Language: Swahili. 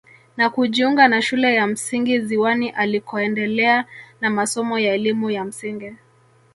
Na kujiunga na shule ya msingi ziwani alikoendelea na masomo ya elimu ya msingi